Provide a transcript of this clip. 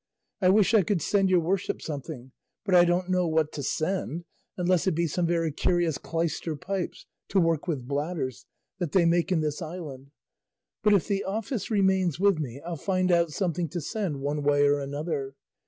I wish I could send your worship something; but I don't know what to send, unless it be some very curious clyster pipes, to work with bladders, that they make in this island; but if the office remains with me I'll find out something to send, one way or another.